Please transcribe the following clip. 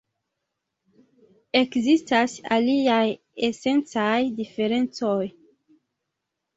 Ekzistas aliaj esencaj diferencoj.